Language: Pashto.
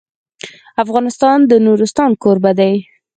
افغانستان د نورستان کوربه دی.